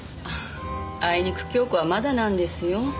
あいにく今日子はまだなんですよ。